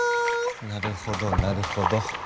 なるほどなるほど。